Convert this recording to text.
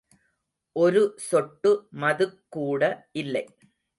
ஒரு சொட்டு மதுக்கூட இல்லை.